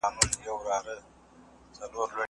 د ښوونکي مسلکي وده اړینه ده.